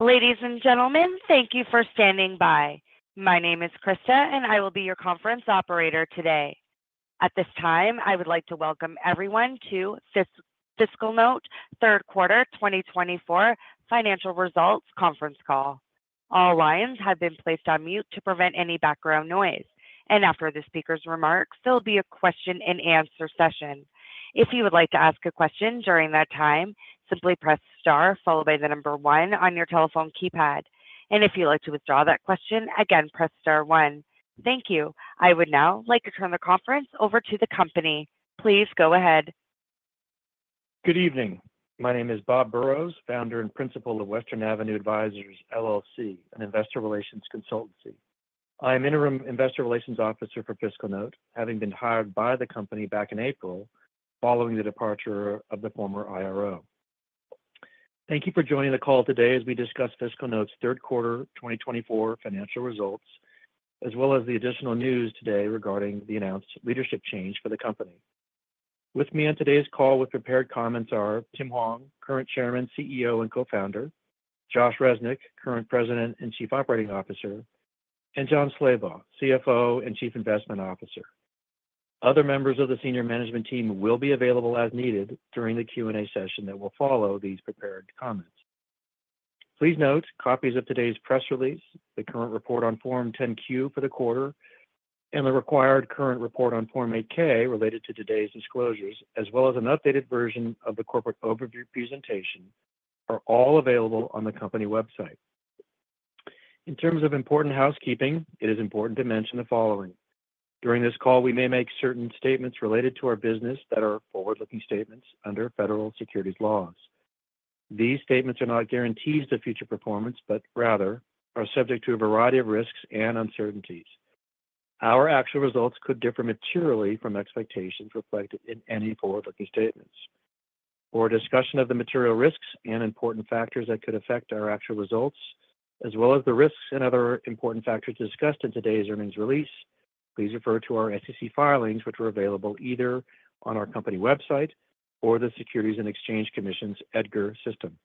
Ladies and gentlemen, thank you for standing by. My name is Krista, and I will be your conference operator today. At this time, I would like to welcome everyone to FiscalNote Q3 2024 Financial Results Conference Call. All lines have been placed on mute to prevent any background noise, and after the speaker's remarks, there will be a question-and-answer session. If you would like to ask a question during that time, simply press star followed by the number one on your telephone keypad, and if you'd like to withdraw that question, again, press star one. Thank you. I would now like to turn the conference over to the company. Please go ahead. Good evening. My name is Bob Burrows, founder and principal of Western Avenue Advisors LLC, an investor relations consultancy. I am interim investor relations officer for FiscalNote, having been hired by the company back in April following the departure of the former IRO. Thank you for joining the call today as we discuss FiscalNote's Q3 2024 financial results, as well as the additional news today regarding the announced leadership change for the company. With me on today's call with prepared comments are Tim Hwang, current Chairman, CEO, and Co-founder. Josh Resnik, current President and Chief Operating Officer. And Jon Slabaugh, CFO and Chief Investment Officer. Other members of the senior management team will be available as needed during the Q&A session that will follow these prepared comments. Please note copies of today's press release, the current report on Form 10-Q for the quarter, and the required current report on Form 8-K related to today's disclosures, as well as an updated version of the corporate overview presentation, are all available on the company website. In terms of important housekeeping, it is important to mention the following. During this call, we may make certain statements related to our business that are forward-looking statements under federal securities laws. These statements are not guarantees of future performance but rather are subject to a variety of risks and uncertainties. Our actual results could differ materially from expectations reflected in any forward-looking statements. For discussion of the material risks and important factors that could affect our actual results, as well as the risks and other important factors discussed in today's earnings release, please refer to our SEC filings, which are available either on our company website or the Securities and Exchange Commission's EDGAR system.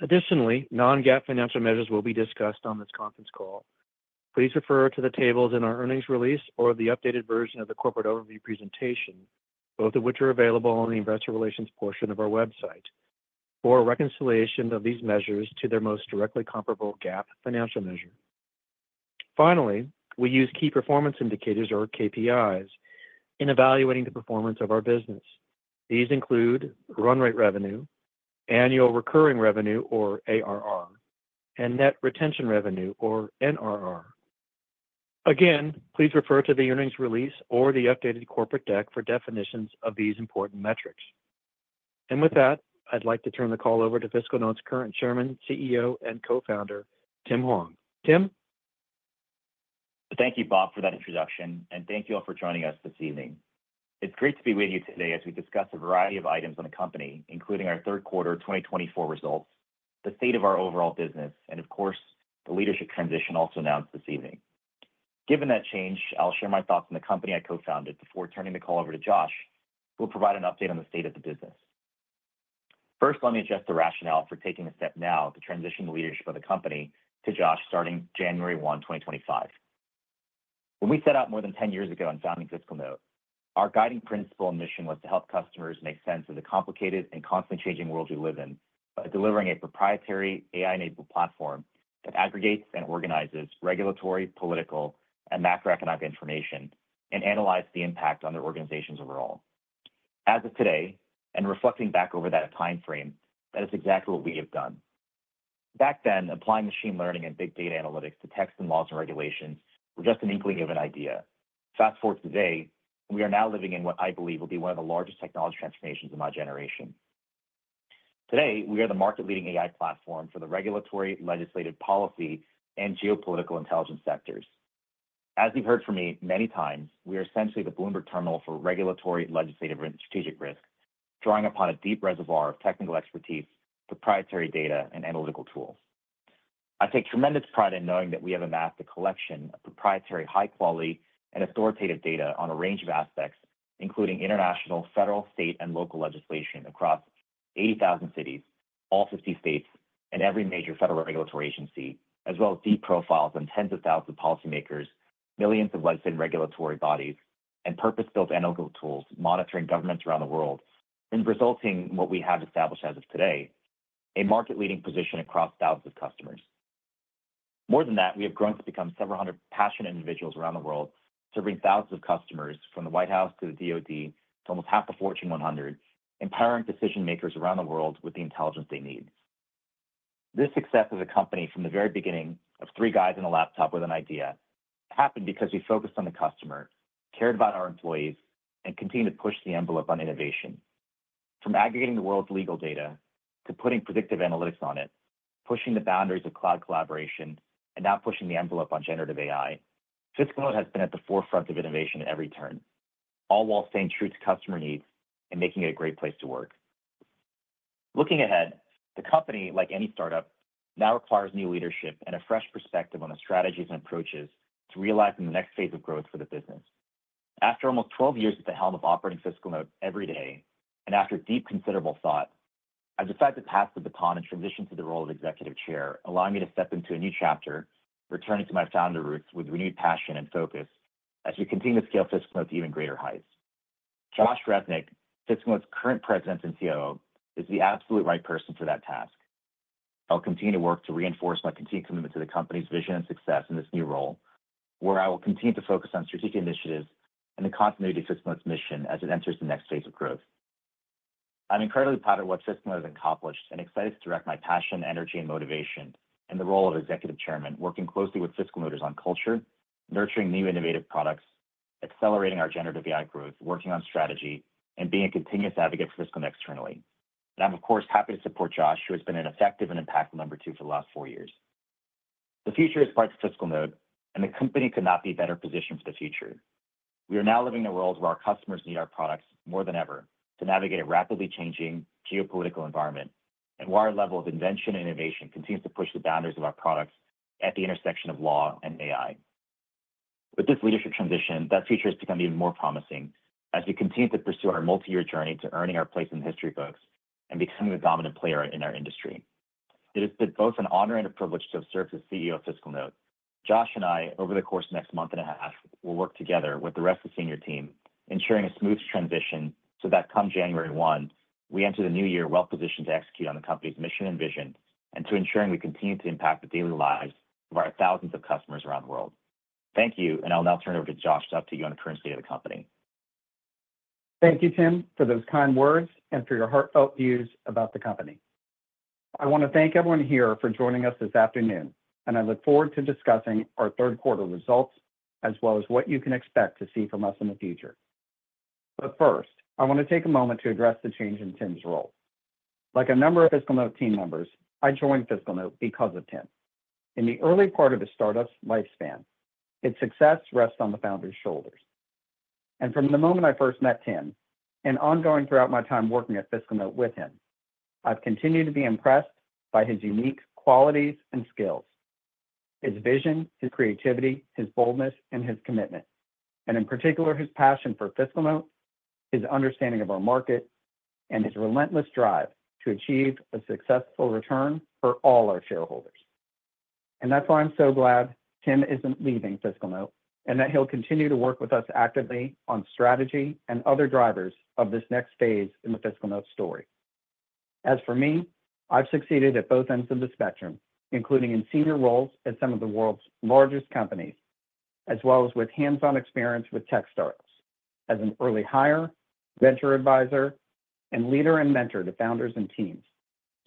Additionally, non-GAAP financial measures will be discussed on this conference call. Please refer to the tables in our earnings release or the updated version of the corporate overview presentation, both of which are available on the investor relations portion of our website, for reconciliation of these measures to their most directly comparable GAAP financial measure. Finally, we use key performance indicators, or KPIs, in evaluating the performance of our business. These include run rate revenue, annual recurring revenue, or ARR, and net retention revenue, or NRR. Again, please refer to the earnings release or the updated corporate deck for definitions of these important metrics. And with that, I'd like to turn the call over to FiscalNote's current Chairman, CEO, and Co-founder, Tim Hwang. Tim? Thank you, Bob, for that introduction. And thank you all for joining us this evening. It's great to be with you today as we discuss a variety of items on the company, including our Q3 2024 results, the state of our overall business, and of course, the leadership transition also announced this evening. Given that change, I'll share my thoughts on the company I co-founded before turning the call over to Josh, who will provide an update on the state of the business. First, let me address the rationale for taking a step now to transition the leadership of the company to Josh starting January 1, 2025. When we set out more than 10 years ago and founded FiscalNote, our guiding principle and mission was to help customers make sense of the complicated and constantly changing world we live in by delivering a proprietary AI-enabled platform that aggregates and organizes regulatory, political, and macroeconomic information and analyzes the impact on their organizations overall. As of today, and reflecting back over that time frame, that is exactly what we have done. Back then, applying machine learning and big data analytics to text and laws and regulations was just an inkling of an idea. Fast forward to today, we are now living in what I believe will be one of the largest technology transformations of my generation. Today, we are the market-leading AI platform for the regulatory, legislative, policy, and geopolitical intelligence sectors. As you've heard from me many times, we are essentially the Bloomberg terminal for regulatory, legislative, and strategic risk, drawing upon a deep reservoir of technical expertise, proprietary data, and analytical tools. I take tremendous pride in knowing that we have amassed a collection of proprietary, high-quality, and authoritative data on a range of aspects, including international, federal, state, and local legislation across 80,000 cities, all 50 states, and every major federal regulatory agency, as well as deep profiles on tens of thousands of policymakers, millions of legislative regulatory bodies, and purpose-built analytical tools monitoring governments around the world, and resulting in what we have established as of today, a market-leading position across thousands of customers. More than that, we have grown to become several hundred passionate individuals around the world serving thousands of customers from the White House to the DOD to almost half the Fortune 100, empowering decision-makers around the world with the intelligence they need. This success of the company from the very beginning of three guys and a laptop with an idea happened because we focused on the customer, cared about our employees, and continued to push the envelope on innovation. From aggregating the world's legal data to putting predictive analytics on it, pushing the boundaries of cloud collaboration, and now pushing the envelope on generative AI, FiscalNote has been at the forefront of innovation at every turn, all while staying true to customer needs and making it a great place to work. Looking ahead, the company, like any startup, now requires new leadership and a fresh perspective on the strategies and approaches to realize the next phase of growth for the business. After almost 12 years at the helm of operating FiscalNote every day and after deep, considerable thought, I've decided to pass the baton and transition to the role of Executive Chair, allowing me to step into a new chapter, returning to my founder roots with renewed passion and focus as we continue to scale FiscalNote to even greater heights. Josh Resnik, FiscalNote's current President and COO, is the absolute right person for that task. I'll continue to work to reinforce my continued commitment to the company's vision and success in this new role, where I will continue to focus on strategic initiatives and the continuity of FiscalNote's mission as it enters the next phase of growth. I'm incredibly proud of what FiscalNote has accomplished and excited to direct my passion, energy, and motivation in the role of Executive Chairman, working closely with FiscalNoters on culture, nurturing new innovative products, accelerating our generative AI growth, working on strategy, and being a continuous advocate for FiscalNote externally, and I'm, of course, happy to support Josh, who has been an effective and impactful number two for the last four years. The future is part of FiscalNote, and the company could not be better positioned for the future. We are now living in a world where our customers need our products more than ever to navigate a rapidly changing geopolitical environment and where our level of invention and innovation continues to push the boundaries of our products at the intersection of law and AI. With this leadership transition, that future has become even more promising as we continue to pursue our multi-year journey to earning our place in the history books and becoming a dominant player in our industry. It has been both an honor and a privilege to have served as CEO of FiscalNote. Josh and I, over the course of the next month and a half, will work together with the rest of the senior team, ensuring a smooth transition so that come January 1, we enter the new year well-positioned to execute on the company's mission and vision and to ensuring we continue to impact the daily lives of our thousands of customers around the world. Thank you, and I'll now turn it over to Josh to update you on the current state of the company. Thank you, Tim, for those kind words and for your heartfelt views about the company. I want to thank everyone here for joining us this afternoon, and I look forward to discussing our Q3 results as well as what you can expect to see from us in the future. But first, I want to take a moment to address the change in Tim's role. Like a number of FiscalNote team members, I joined FiscalNote because of Tim. In the early part of a startup's lifespan, its success rests on the founder's shoulders. From the moment I first met Tim and ongoing throughout my time working at FiscalNote with him, I've continued to be impressed by his unique qualities and skills, his vision, his creativity, his boldness, and his commitment, and in particular, his passion for FiscalNote, his understanding of our market, and his relentless drive to achieve a successful return for all our shareholders. That's why I'm so glad Tim isn't leaving FiscalNote and that he'll continue to work with us actively on strategy and other drivers of this next phase in the FiscalNote story. As for me, I've succeeded at both ends of the spectrum, including in senior roles at some of the world's largest companies, as well as with hands-on experience with tech startups as an early hire, venture advisor, and leader and mentor to founders and teams.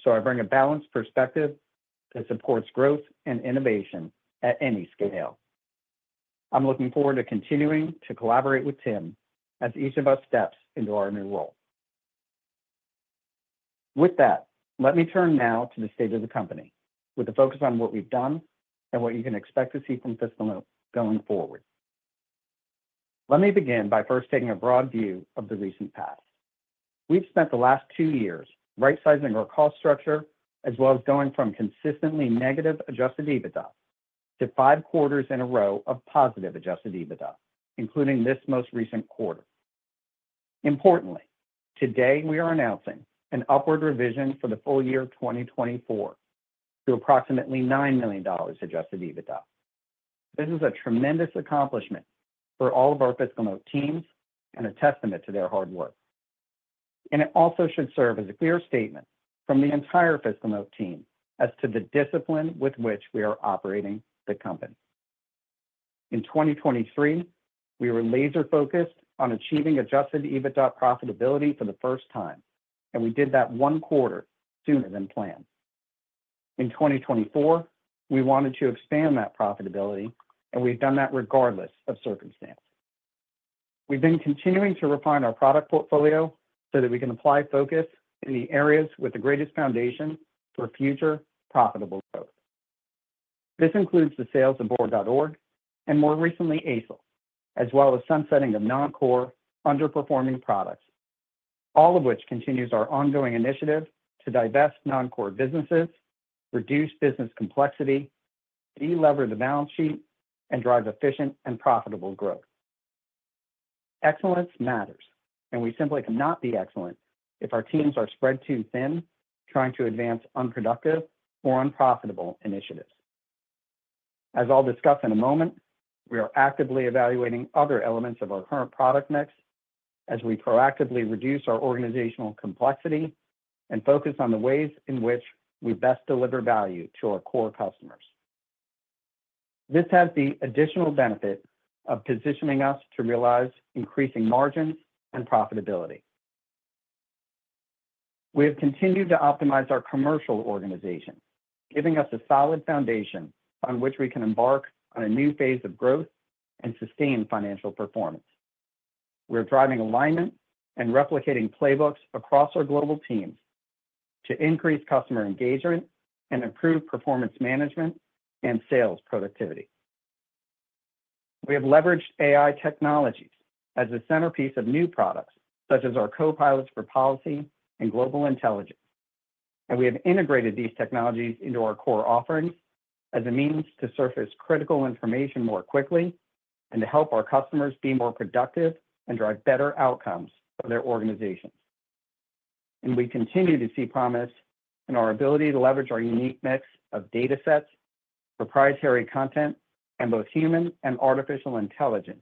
So I bring a balanced perspective that supports growth and innovation at any scale. I'm looking forward to continuing to collaborate with Tim as each of us steps into our new role. With that, let me turn now to the state of the company with a focus on what we've done and what you can expect to see from FiscalNote going forward. Let me begin by first taking a broad view of the recent past. We've spent the last two years right-sizing our cost structure as well as going from consistently negative adjusted EBITDA to five quarters in a row of positive adjusted EBITDA, including this most recent quarter. Importantly, today we are announcing an upward revision for the full year 2024 to approximately $9 million adjusted EBITDA. This is a tremendous accomplishment for all of our FiscalNote teams and a testament to their hard work. It also should serve as a clear statement from the entire FiscalNote team as to the discipline with which we are operating the company. In 2023, we were laser-focused on achieving Adjusted EBITDA profitability for the first time, and we did that one quarter sooner than planned. In 2024, we wanted to expand that profitability, and we've done that regardless of circumstances. We've been continuing to refine our product portfolio so that we can apply focus in the areas with the greatest foundation for future profitable growth. This includes the sales of Board.org and more recently Aicel, as well as sunsetting of non-core, underperforming products, all of which continues our ongoing initiative to divest non-core businesses, reduce business complexity, deleverage the balance sheet, and drive efficient and profitable growth. Excellence matters, and we simply cannot be excellent if our teams are spread too thin trying to advance unproductive or unprofitable initiatives. As I'll discuss in a moment, we are actively evaluating other elements of our current product mix as we proactively reduce our organizational complexity and focus on the ways in which we best deliver value to our core customers. This has the additional benefit of positioning us to realize increasing margins and profitability. We have continued to optimize our commercial organization, giving us a solid foundation on which we can embark on a new phase of growth and sustained financial performance. We are driving alignment and replicating playbooks across our global teams to increase customer engagement and improve performance management and sales productivity. We have leveraged AI technologies as the centerpiece of new products such as our Copilots for Policy and Global Intelligence. And we have integrated these technologies into our core offerings as a means to surface critical information more quickly and to help our customers be more productive and drive better outcomes for their organizations. And we continue to see promise in our ability to leverage our unique mix of data sets, proprietary content, and both human and artificial intelligence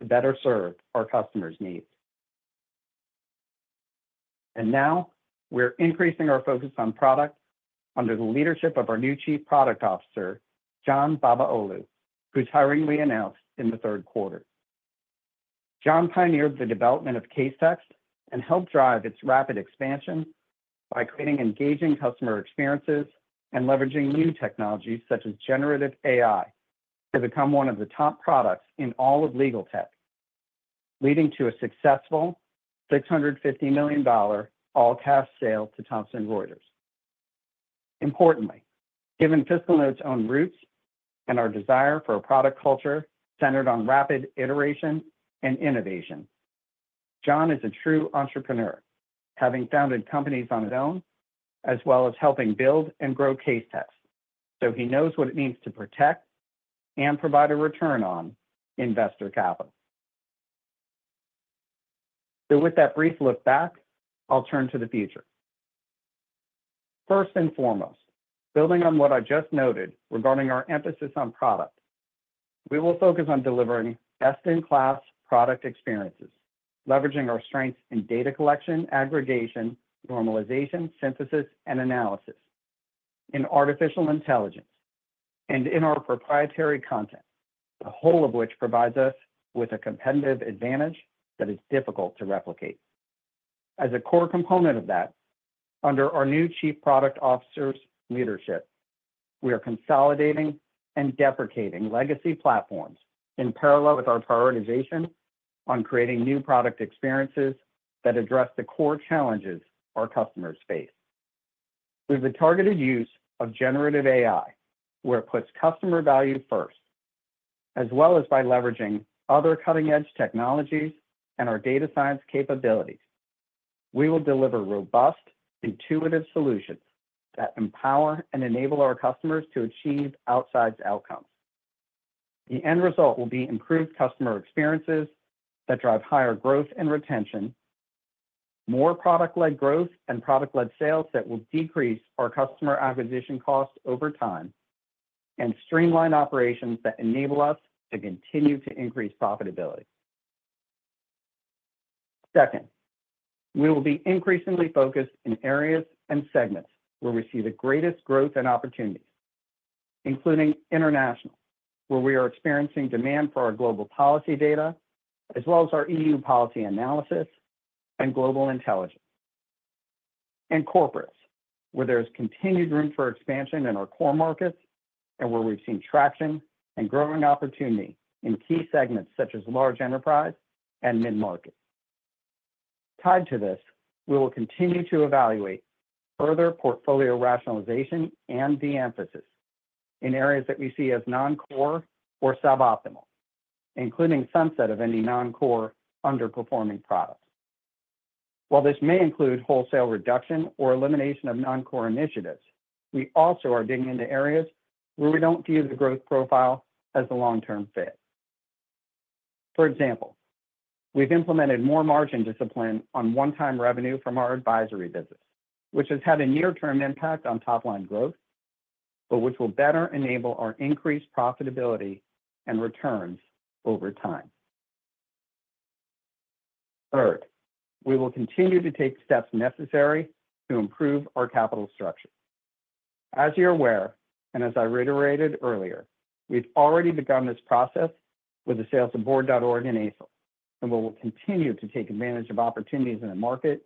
to better serve our customers' needs. And now we're increasing our focus on product under the leadership of our new Chief Product Officer, John Babu, whose hiring we announced in the third quarter. John pioneered the development of Casetext and helped drive its rapid expansion by creating engaging customer experiences and leveraging new technologies such as generative AI to become one of the top products in all of legal tech, leading to a successful $650 million all-cash sale to Thomson Reuters. Importantly, given FiscalNote's own roots and our desire for a product culture centered on rapid iteration and innovation, John is a true entrepreneur, having founded companies on his own as well as helping build and grow Casetext. So he knows what it means to protect and provide a return on investor capital. So with that brief look back, I'll turn to the future. First and foremost, building on what I just noted regarding our emphasis on product, we will focus on delivering best-in-class product experiences, leveraging our strengths in data collection, aggregation, normalization, synthesis, and analysis, in artificial intelligence, and in our proprietary content, the whole of which provides us with a competitive advantage that is difficult to replicate. As a core component of that, under our new Chief Product Officer’s leadership, we are consolidating and deprecating legacy platforms in parallel with our prioritization on creating new product experiences that address the core challenges our customers face. With the targeted use of generative AI, where it puts customer value first, as well as by leveraging other cutting-edge technologies and our data science capabilities, we will deliver robust, intuitive solutions that empower and enable our customers to achieve outsized outcomes. The end result will be improved customer experiences that drive higher growth and retention, more product-led growth and product-led sales that will decrease our customer acquisition costs over time, and streamlined operations that enable us to continue to increase profitability. Second, we will be increasingly focused in areas and segments where we see the greatest growth and opportunities, including international, where we are experiencing demand for our global policy data as well as our EU policy analysis and global intelligence, and corporates, where there is continued room for expansion in our core markets and where we've seen traction and growing opportunity in key segments such as large enterprise and mid-market. Tied to this, we will continue to evaluate further portfolio rationalization and de-emphasis in areas that we see as non-core or suboptimal, including sunset of any non-core underperforming products. While this may include wholesale reduction or elimination of non-core initiatives, we also are digging into areas where we don't view the growth profile as a long-term fit. For example, we've implemented more margin discipline on one-time revenue from our advisory business, which has had a near-term impact on top-line growth, but which will better enable our increased profitability and returns over time. Third, we will continue to take steps necessary to improve our capital structure. As you're aware, and as I reiterated earlier, we've already begun this process with the sales of Board.org and Aicel, and we will continue to take advantage of opportunities in the market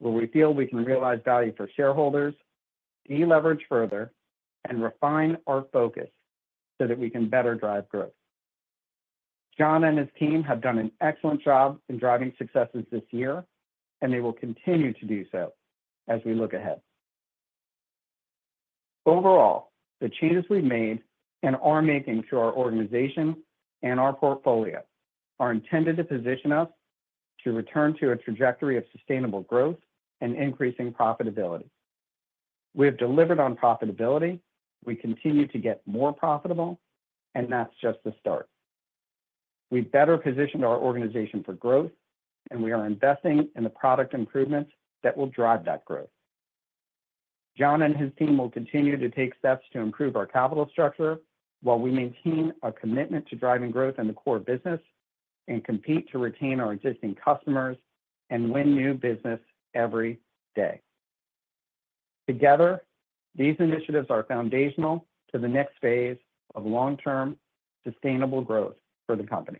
where we feel we can realize value for shareholders, deleverage further, and refine our focus so that we can better drive growth. Jon and his team have done an excellent job in driving successes this year, and they will continue to do so as we look ahead. Overall, the changes we've made and are making to our organization and our portfolio are intended to position us to return to a trajectory of sustainable growth and increasing profitability. We have delivered on profitability. We continue to get more profitable, and that's just the start. We've better positioned our organization for growth, and we are investing in the product improvements that will drive that growth. Jon and his team will continue to take steps to improve our capital structure while we maintain our commitment to driving growth in the core business and compete to retain our existing customers and win new business every day. Together, these initiatives are foundational to the next phase of long-term sustainable growth for the company.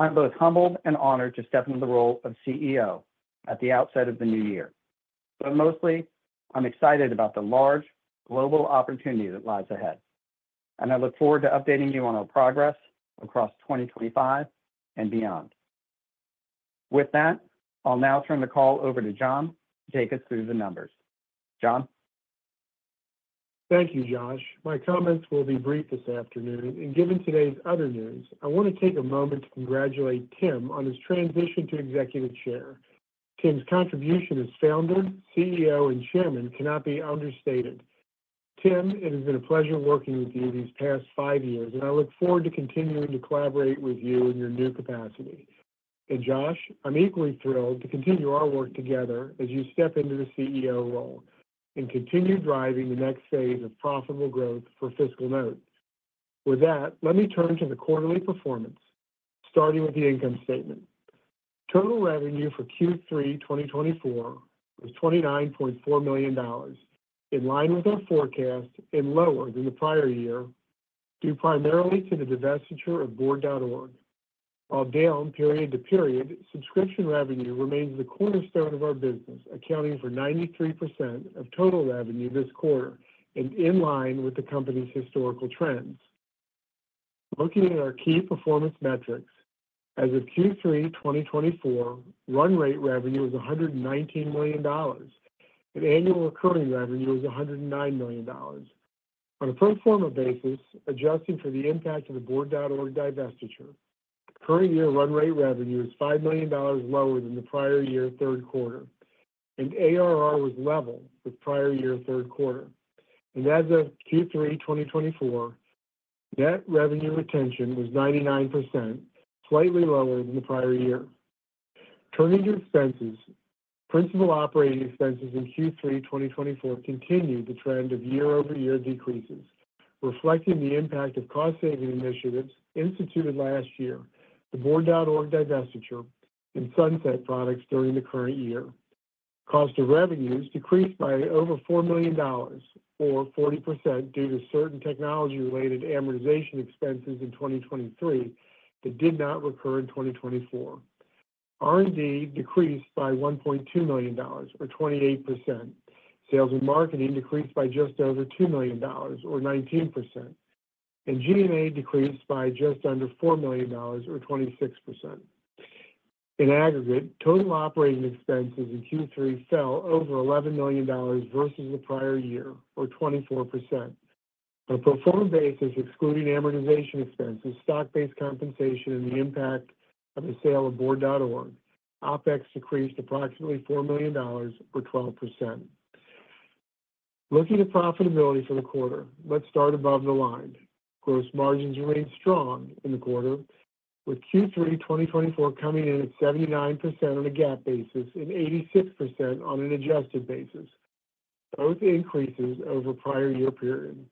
I'm both humbled and honored to step into the role of CEO at the outset of the new year. But mostly, I'm excited about the large global opportunity that lies ahead, and I look forward to updating you on our progress across 2025 and beyond. With that, I'll now turn the call over to Jon to take us through the numbers. Jon. Thank you, Josh. My comments will be brief this afternoon. And given today's other news, I want to take a moment to congratulate Tim on his transition to Executive Chair. Tim's contribution as founder, CEO, and Chairman cannot be understated. Tim, it has been a pleasure working with you these past five years, and I look forward to continuing to collaborate with you in your new capacity. And Josh, I'm equally thrilled to continue our work together as you step into the CEO role and continue driving the next phase of profitable growth for FiscalNote. With that, let me turn to the quarterly performance, starting with the income statement. Total revenue for Q3 2024 was $29.4 million, in line with our forecast and lower than the prior year due primarily to the divestiture of Board.org. While down period to period, subscription revenue remains the cornerstone of our business, accounting for 93% of total revenue this quarter and in line with the company's historical trends. Looking at our key performance metrics, as of Q3 2024, run rate revenue was $119 million, and annual recurring revenue was $109 million. On a pro forma basis, adjusting for the impact of the Board.org divestiture, current year run rate revenue is $5 million lower than the prior year third quarter, and ARR was level with prior year third quarter, and as of Q3 2024, net revenue retention was 99%, slightly lower than the prior year. Turning to expenses, principal operating expenses in Q3 2024 continued the trend of year-over-year decreases, reflecting the impact of cost-saving initiatives instituted last year, the Board.org divestiture, and sunset products during the current year. Cost of revenues decreased by over $4 million, or 40%, due to certain technology-related amortization expenses in 2023 that did not recur in 2024. R&D decreased by $1.2 million, or 28%. Sales and marketing decreased by just over $2 million, or 19%. And G&A decreased by just under $4 million, or 26%. In aggregate, total operating expenses in Q3 fell over $11 million versus the prior year, or 24%. On a pro forma basis, excluding amortization expenses, stock-based compensation, and the impact of the sale of Board.org, OPEX decreased approximately $4 million, or 12%. Looking at profitability for the quarter, let's start above the line. Gross margins remained strong in the quarter, with Q3 2024 coming in at 79% on a GAAP basis and 86% on an adjusted basis, both increases over prior year period.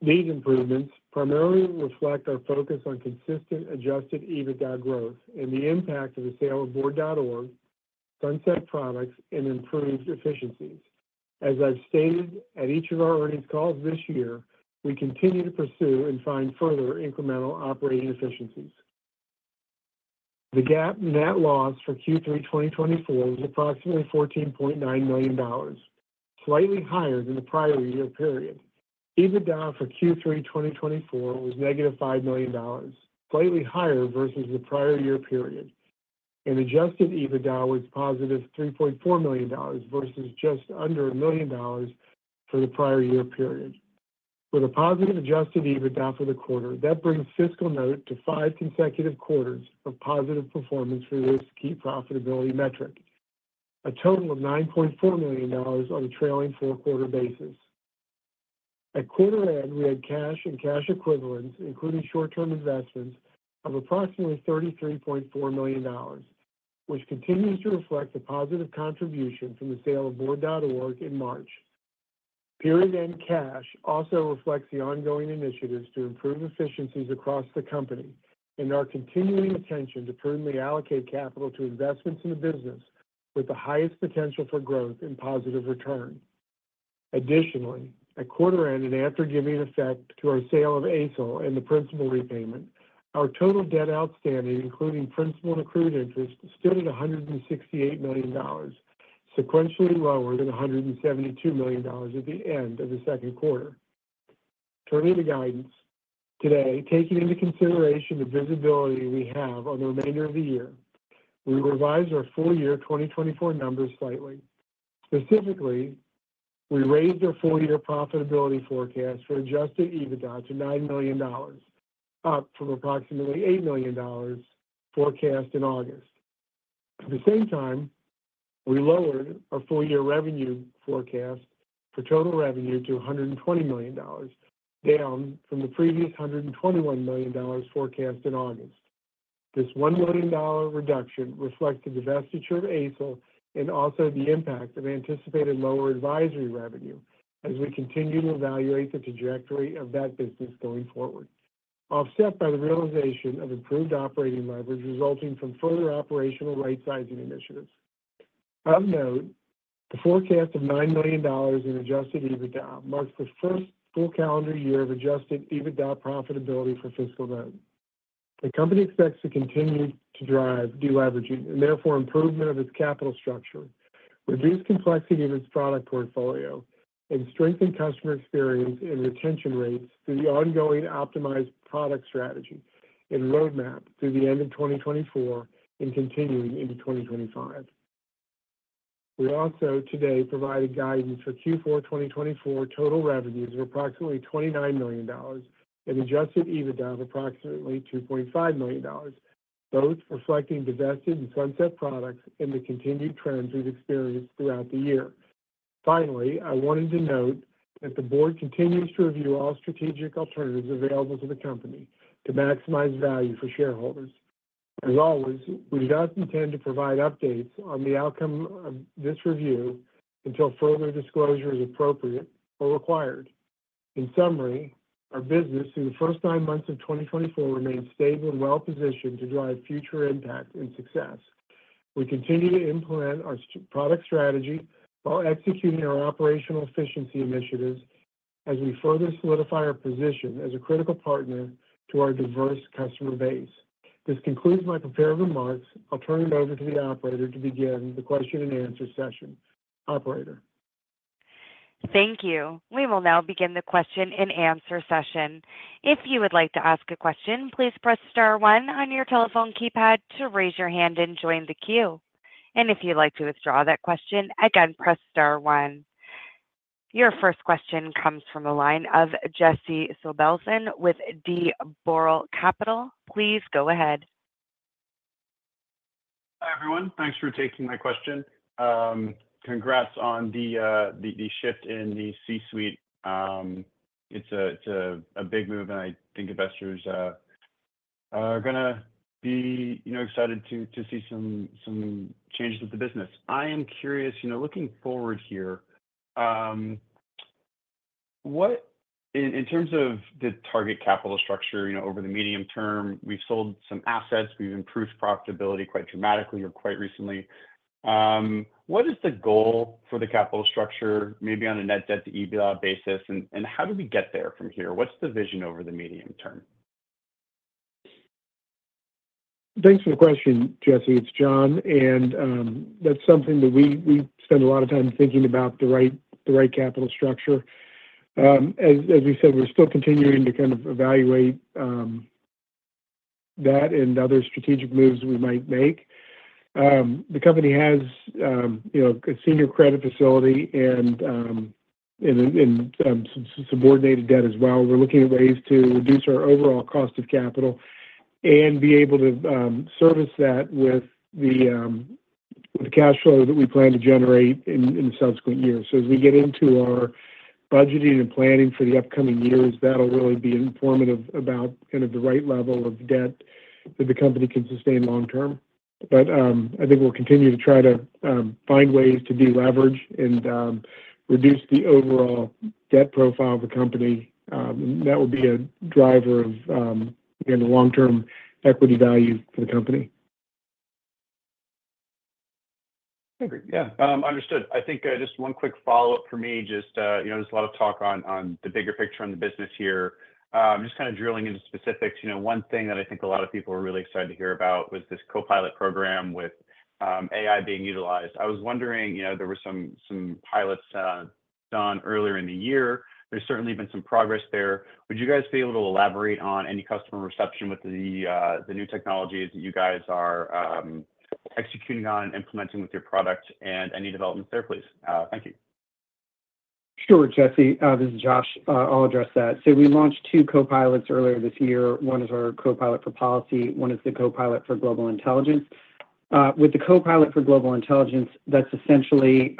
These improvements primarily reflect our focus on consistent adjusted EBITDA growth and the impact of the sale of Board.org, sunset products, and improved efficiencies. As I've stated at each of our earnings calls this year, we continue to pursue and find further incremental operating efficiencies. The GAAP net loss for Q3 2024 was approximately $14.9 million, slightly higher than the prior year period. EBITDA for Q3 2024 was negative $5 million, slightly higher versus the prior year period, and adjusted EBITDA was +$3.4 million versus just under $1 million for the prior year period. With a positive adjusted EBITDA for the quarter, that brings FiscalNote to five consecutive quarters of positive performance for this key profitability metric, a total of $9.4 million on a trailing four-quarter basis. At quarter end, we had cash and cash equivalents, including short-term investments of approximately $33.4 million, which continues to reflect the positive contribution from the sale of Board.org in March. Period end cash also reflects the ongoing initiatives to improve efficiencies across the company and our continuing attention to prudently allocate capital to investments in the business with the highest potential for growth and positive return. Additionally, at quarter end and after giving effect to our sale of Aicel and the principal repayment, our total debt outstanding, including principal and accrued interest, stood at $168 million, sequentially lower than $172 million at the end of the second quarter. Turning to guidance, today, taking into consideration the visibility we have on the remainder of the year, we revised our full year 2024 numbers slightly. Specifically, we raised our full year profitability forecast for Adjusted EBITDA to $9 million, up from approximately $8 million forecast in August. At the same time, we lowered our full year revenue forecast for total revenue to $120 million, down from the previous $121 million forecast in August. This $1 million reduction reflects the divestiture of Aicel and also the impact of anticipated lower advisory revenue as we continue to evaluate the trajectory of that business going forward, offset by the realization of improved operating leverage resulting from further operational right-sizing initiatives. Of note, the forecast of $9 million in Adjusted EBITDA marks the first full calendar year of Adjusted EBITDA profitability for FiscalNote. The company expects to continue to drive deleveraging and therefore improvement of its capital structure, reduce complexity of its product portfolio, and strengthen customer experience and retention rates through the ongoing optimized product strategy and roadmap through the end of 2024 and continuing into 2025. We also today provided guidance for Q4 2024 total revenues of approximately $29 million and Adjusted EBITDA of approximately $2.5 million, both reflecting divested and sunset products and the continued trends we've experienced throughout the year. Finally, I wanted to note that the board continues to review all strategic alternatives available to the company to maximize value for shareholders. As always, we do not intend to provide updates on the outcome of this review until further disclosure is appropriate or required. In summary, our business through the first nine months of 2024 remains stable and well-positioned to drive future impact and success. We continue to implement our product strategy while executing our operational efficiency initiatives as we further solidify our position as a critical partner to our diverse customer base. This concludes my prepared remarks. I'll turn it over to the operator to begin the question and answer session. Operator. Thank you. We will now begin the question and answer session. If you would like to ask a question, please press star one on your telephone keypad to raise your hand and join the queue. And if you'd like to withdraw that question, again, press star one. Your first question comes from the line of Jesse Sobelson with D. Boral Capital. Please go ahead. Hi, everyone. Thanks for taking my question. Congrats on the shift in the C-suite. It's a big move, and I think investors are going to be excited to see some changes at the business. I am curious, looking forward here, in terms of the target capital structure over the medium term, we've sold some assets. We've improved profitability quite dramatically or quite recently. What is the goal for the capital structure, maybe on a net debt to EBITDA basis, and how do we get there from here? What's the vision over the medium term? Thanks for the question, Jesse. It's John, and that's something that we spend a lot of time thinking about, the right capital structure. As we said, we're still continuing to kind of evaluate that and other strategic moves we might make. The company has a senior credit facility and some subordinated debt as well. We're looking at ways to reduce our overall cost of capital and be able to service that with the cash flow that we plan to generate in the subsequent years. So as we get into our budgeting and planning for the upcoming years, that'll really be informative about kind of the right level of debt that the company can sustain long-term. But I think we'll continue to try to find ways to deleverage and reduce the overall debt profile of the company. That will be a driver of, again, the long-term equity value for the company. Agreed. Yeah. Understood. I think just one quick follow-up for me. Just there's a lot of talk on the bigger picture on the business here. Just kind of drilling into specifics, one thing that I think a lot of people were really excited to hear about was this Copilot program with AI being utilized. I was wondering, there were some pilots done earlier in the year. There's certainly been some progress there. Would you guys be able to elaborate on any customer reception with the new technologies that you guys are executing on and implementing with your product and any developments there, please? Thank you. Sure, Jesse. This is Josh. I'll address that. So we launched two Copilots earlier this year. One is our Copilot for Policy. One is the Copilot for Global Intelligence. With the Copilot for Global Intelligence, that's essentially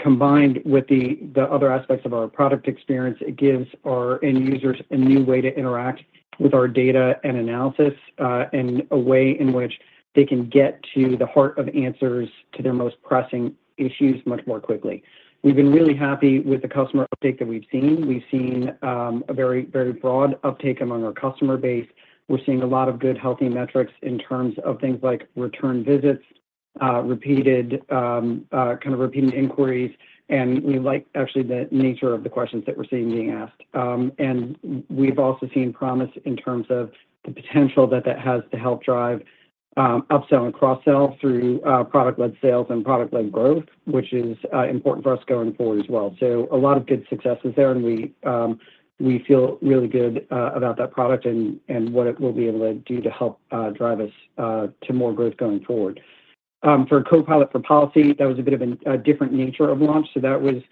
combined with the other aspects of our product experience. It gives our end users a new way to interact with our data and analysis and a way in which they can get to the heart of answers to their most pressing issues much more quickly. We've been really happy with the customer uptake that we've seen. We've seen a very, very broad uptake among our customer base. We're seeing a lot of good, healthy metrics in terms of things like return visits, kind of repeated inquiries, and we like actually the nature of the questions that we're seeing being asked. We've also seen promise in terms of the potential that that has to help drive upsell and cross-sell through product-led sales and product-led growth, which is important for us going forward as well. A lot of good successes there, and we feel really good about that product and what it will be able to do to help drive us to more growth going forward. For Copilot for Policy, that was a bit of a different nature of launch. That was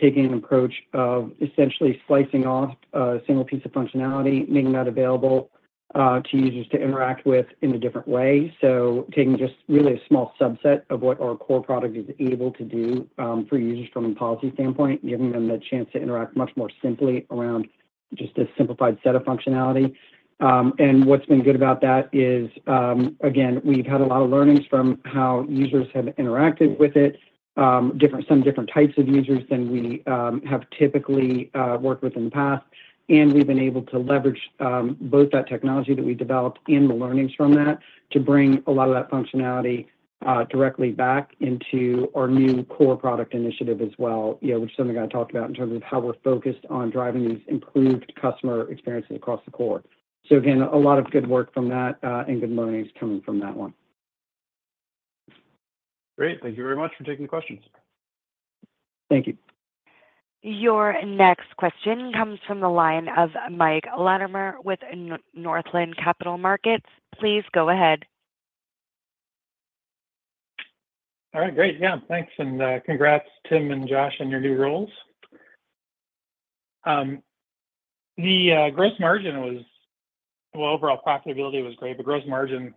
taking an approach of essentially slicing off a single piece of functionality, making that available to users to interact with in a different way. Taking just really a small subset of what our core product is able to do for users from a policy standpoint, giving them the chance to interact much more simply around just a simplified set of functionality. And what's been good about that is, again, we've had a lot of learnings from how users have interacted with it, some different types of users than we have typically worked with in the past. And we've been able to leverage both that technology that we developed and the learnings from that to bring a lot of that functionality directly back into our new core product initiative as well, which is something I talked about in terms of how we're focused on driving these improved customer experiences across the core. So again, a lot of good work from that and good learnings coming from that one. Great. Thank you very much for taking the questions. Thank you. Your next question comes from the line of Mike Latimer with Northland Capital Markets. Please go ahead. All right. Great. Yeah. Thanks. And congrats, Tim and Josh, on your new roles. The gross margin was, well, overall profitability was great, but gross margin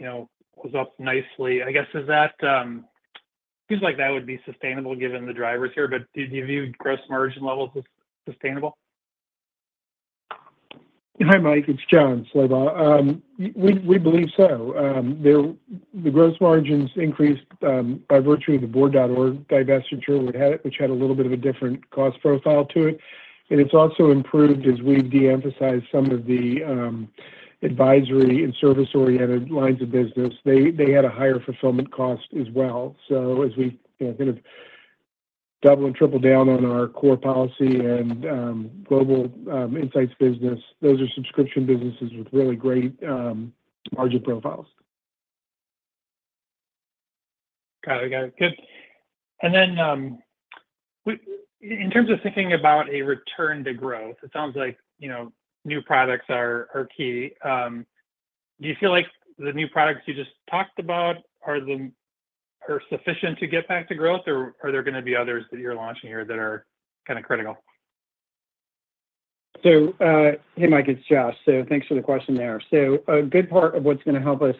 was up nicely. I guess it seems like that would be sustainable given the drivers here, but do you view gross margin levels as sustainable? Hi, Mike. It's Jon Slabaugh. We believe so. The gross margins increased by virtue of the Board.org divestiture, which had a little bit of a different cost profile to it. And it's also improved as we've de-emphasized some of the advisory and service-oriented lines of business. They had a higher fulfillment cost as well. So as we kind of double and triple down on our core policy and global insights business, those are subscription businesses with really great margin profiles. Got it. Got it. Good, and then in terms of thinking about a return to growth, it sounds like new products are key. Do you feel like the new products you just talked about are sufficient to get back to growth, or are there going to be others that you're launching here that are kind of critical? Hey, Mike. It's Josh. Thanks for the question there. A good part of what's going to help us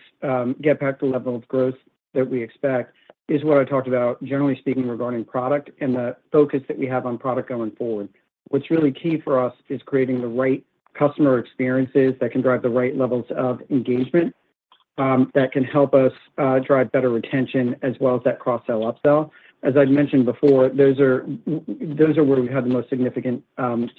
get back to the level of growth that we expect is what I talked about, generally speaking, regarding product and the focus that we have on product going forward. What's really key for us is creating the right customer experiences that can drive the right levels of engagement that can help us drive better retention as well as that cross-sell upsell. As I mentioned before, those are where we've had the most significant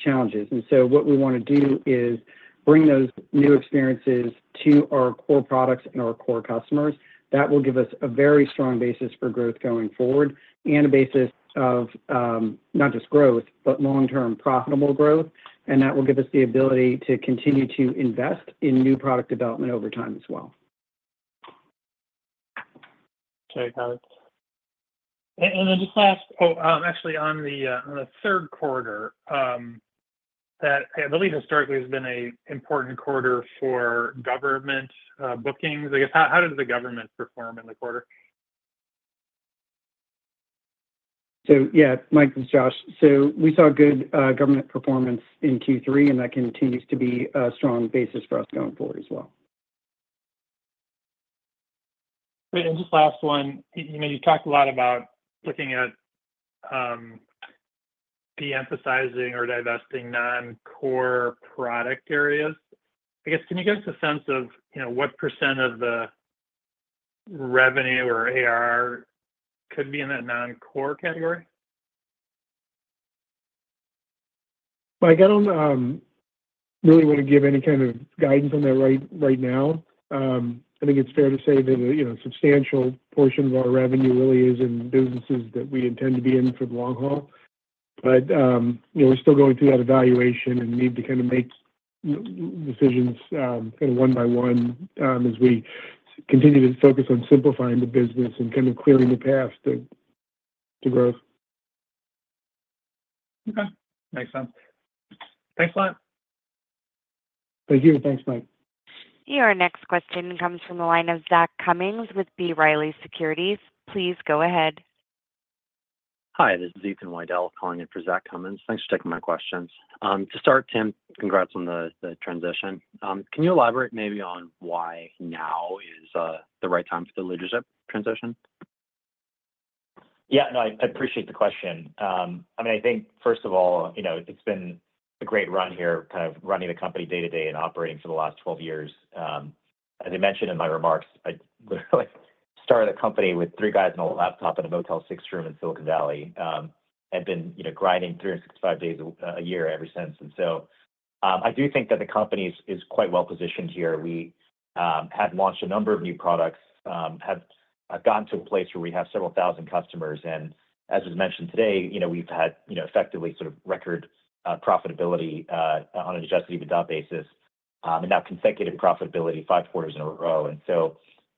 challenges. And so what we want to do is bring those new experiences to our core products and our core customers. That will give us a very strong basis for growth going forward and a basis of not just growth, but long-term profitable growth. That will give us the ability to continue to invest in new product development over time as well. Okay. Got it. And then just last, oh, actually, on the third quarter, that I believe historically has been an important quarter for government bookings. I guess, how did the government perform in the quarter? So yeah, Mike and Josh. So we saw good government performance in Q3, and that continues to be a strong basis for us going forward as well. Great. And just last one. You talked a lot about looking at de-emphasizing or divesting non-core product areas. I guess, can you give us a sense of what percent of the revenue or ARR could be in that non-core category? Mike, I don't really want to give any kind of guidance on that right now. I think it's fair to say that a substantial portion of our revenue really is in businesses that we intend to be in for the long haul. But we're still going through that evaluation and need to kind of make decisions kind of one by one as we continue to focus on simplifying the business and kind of clearing the path to growth. Okay. Makes sense. Thanks a lot. Thank you. Thanks, Mike. Your next question comes from the line of Zach Cummins with B. Riley Securities. Please go ahead. Hi. This is Ethan Widell calling in for Zach Cummins. Thanks for taking my questions. To start, Tim, congrats on the transition. Can you elaborate maybe on why now is the right time for the leadership transition? Yeah. No, I appreciate the question. I mean, I think, first of all, it's been a great run here, kind of running the company day to day and operating for the last 12 years. As I mentioned in my remarks, I started the company with three guys and an old laptop at a Motel 6 room in Silicon Valley. I've been grinding 365 days a year ever since. And so I do think that the company is quite well-positioned here. We have launched a number of new products, have gotten to a place where we have several thousand customers. And as was mentioned today, we've had effectively sort of record profitability on an adjusted EBITDA basis and now consecutive profitability five quarters in a row. And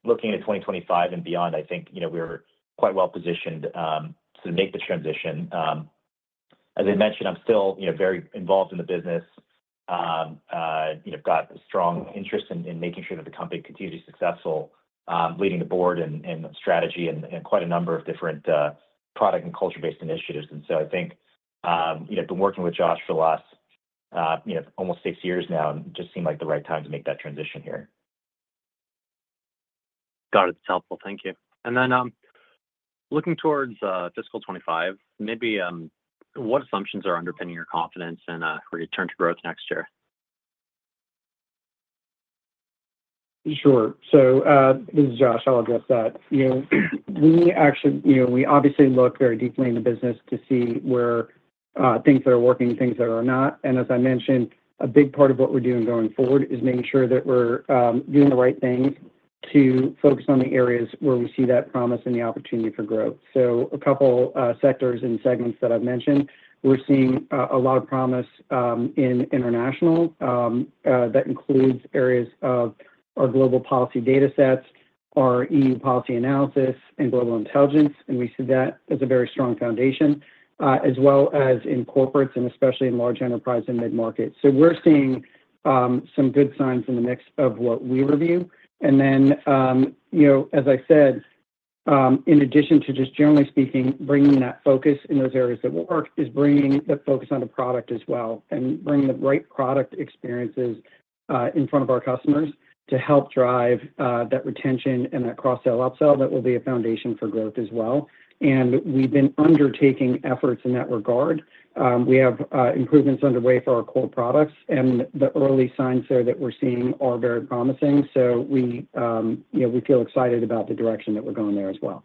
so looking at 2025 and beyond, I think we're quite well-positioned to make the transition. As I mentioned, I'm still very involved in the business, got a strong interest in making sure that the company continues to be successful, leading the board and strategy and quite a number of different product and culture-based initiatives. And so I think I've been working with Josh for the last almost six years now, and it just seemed like the right time to make that transition here. Got it. That's helpful. Thank you. And then looking towards fiscal 2025, maybe what assumptions are underpinning your confidence in return to growth next year? Sure. So this is Josh. I'll address that. We obviously look very deeply in the business to see where things that are working, things that are not. And as I mentioned, a big part of what we're doing going forward is making sure that we're doing the right things to focus on the areas where we see that promise and the opportunity for growth. So a couple of sectors and segments that I've mentioned, we're seeing a lot of promise in international that includes areas of our global policy data sets, our EU policy analysis, and global intelligence. And we see that as a very strong foundation, as well as in corporates and especially in large enterprise and mid-market. So we're seeing some good signs in the mix of what we review. And then, as I said, in addition to just generally speaking, bringing that focus in those areas that work is bringing the focus on the product as well and bringing the right product experiences in front of our customers to help drive that retention and that cross-sell upsell that will be a foundation for growth as well. And we've been undertaking efforts in that regard. We have improvements underway for our core products, and the early signs there that we're seeing are very promising. So we feel excited about the direction that we're going there as well.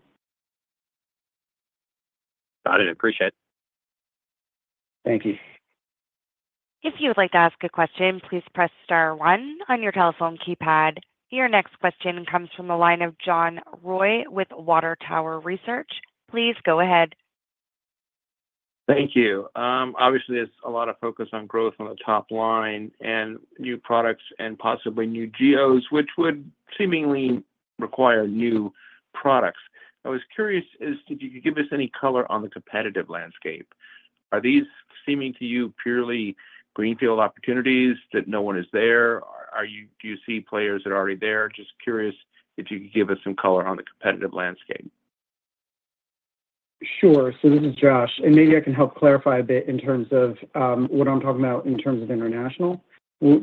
Got it. Appreciate it. Thank you. If you would like to ask a question, please press star one on your telephone keypad. Your next question comes from the line of John Roy with Water Tower Research. Please go ahead. Thank you. Obviously, there's a lot of focus on growth on the top line and new products and possibly new geos, which would seemingly require new products. I was curious if you could give us any color on the competitive landscape. Are these seeming to you purely greenfield opportunities that no one is there? Do you see players that are already there? Just curious if you could give us some color on the competitive landscape. Sure. So this is Josh. And maybe I can help clarify a bit in terms of what I'm talking about in terms of international. What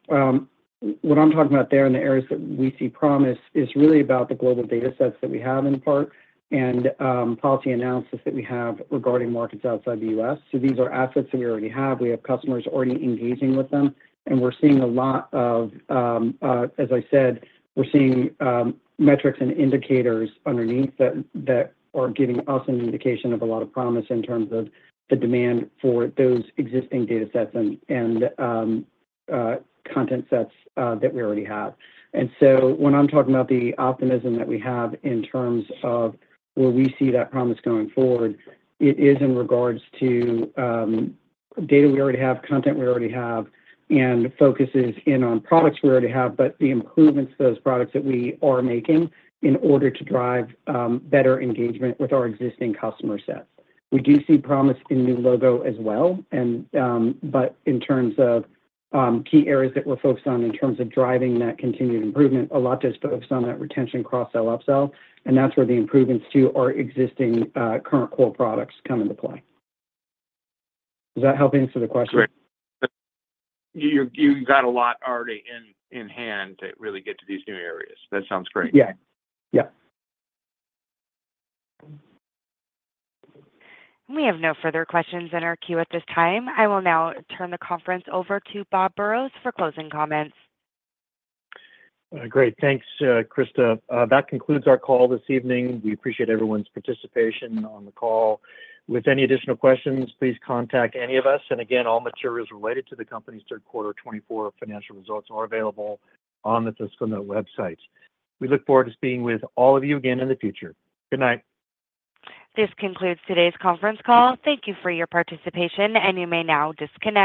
I'm talking about there in the areas that we see promise is really about the global data sets that we have in part and policy analysis that we have regarding markets outside the U.S. So these are assets that we already have. We have customers already engaging with them. And we're seeing a lot of, as I said, we're seeing metrics and indicators underneath that are giving us an indication of a lot of promise in terms of the demand for those existing data sets and content sets that we already have. And so, when I'm talking about the optimism that we have in terms of where we see that promise going forward, it is in regards to data we already have, content we already have, and focuses in on products we already have, but the improvements to those products that we are making in order to drive better engagement with our existing customer sets. We do see promise in new logo as well. But in terms of key areas that we're focused on in terms of driving that continued improvement, a lot is focused on that retention, cross-sell, upsell. And that's where the improvements to our existing current core products come into play. Does that help answer the question? Great. You've got a lot already in hand to really get to these new areas. That sounds great. Yeah. Yep. We have no further questions in our queue at this time. I will now turn the conference over to Bob Burrows for closing comments. Great. Thanks, Krista. That concludes our call this evening. We appreciate everyone's participation on the call. With any additional questions, please contact any of us. And again, all materials related to the company's third quarter 2024 financial results are available on the FiscalNote website. We look forward to speaking with all of you again in the future. Good night. This concludes today's conference call. Thank you for your participation, and you may now disconnect.